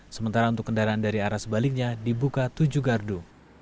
sementara untuk kendaraan dari arah sebaliknya dibuka tujuh gardu